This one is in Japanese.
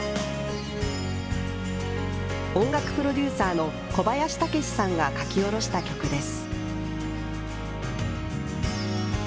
音楽プロデューサーの小林武史さんが書き下ろした曲です。